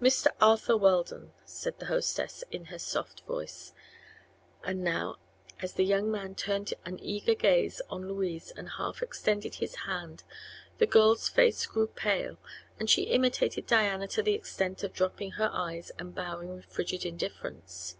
"Mr. Arthur Weldon," said the hostess, in her soft voice; and now, as the young man turned an eager gaze on Louise and half extended his hand, the girl's face grew pale and she imitated Diana to the extent of dropping her eyes and bowing with frigid indifference.